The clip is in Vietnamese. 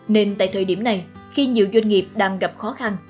nên tại thời điểm này khi nhiều doanh nghiệp đang gặp khó khăn